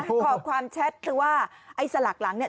ขอความแชทเธอว่าไอ้สลากหลังเนี่ย